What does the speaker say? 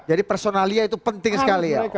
jadi personalia itu penting sekali ya